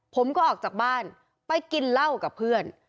ผมก็ออกจากบ้านไปกินเหล้ากับเพื่อน